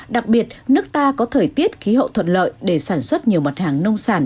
đặc biệt nước ta có thời tiết khí hậu thuận lợi để sản xuất nhiều mặt hàng nông sản